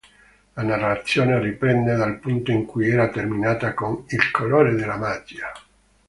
La narrazione riprende dal punto in cui era terminata con "Il colore della magia".